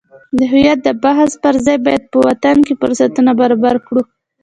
د هویت د بحث پرځای باید په وطن کې فرصتونه برابر کړو.